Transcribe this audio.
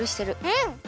うん！